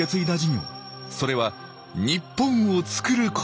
それは日本をつくることでした。